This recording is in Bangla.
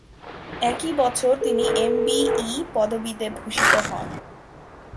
একই বছর তিনি এমবিই পদবীতে ভূষিত হন।